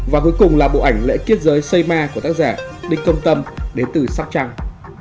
và cuối cùng là bộ ảnh lễ kết giới xây ma của tác giả đinh công tâm đến từ sóc trăng